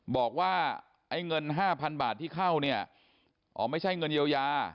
บอกว่าไอ้เงิน๕๐๐๐บาทที่เข้าเนี่ยอ๋อไม่ใช่เงินเยียวยา